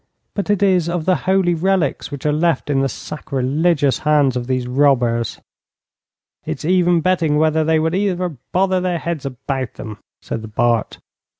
But it is of the holy relics which are left in the sacrilegious hands of these robbers.' 'It's even betting whether they would ever bother their heads about them,' said the Bart.